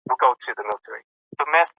خوب وېشلی او ټوټه ټوټه کېږي.